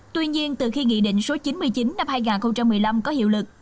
tuy nhiên từ khi nghị định số chín mươi chín năm hai nghìn một mươi năm có hiệu lực